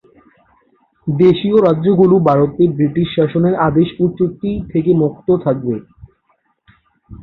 দেশীয় রাজ্যগুলি ভারতে ব্রিটিশ শাসনের আদেশ ও চুক্তি থেকে মুক্ত থাকবে।